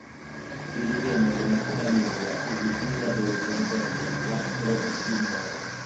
Si ritiene che nessuna lingua usi sillabe che contengono quattro o più more.